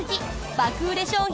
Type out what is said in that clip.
爆売れ商品